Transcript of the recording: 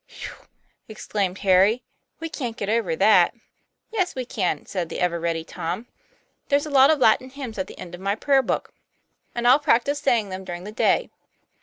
"Whew!" exclaimed Harry. "We can't get over that." " Yes, we can, " said the ever ready Tom. " There's a lot of Latin hymns at the encl of my prayer book, 7 6 TOM PLAYFAIR. and I'll practise saying them during the day.